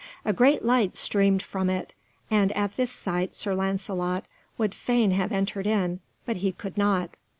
A great light streamed from it, and at this sight Sir Lancelot would fain have entered in, but he could not.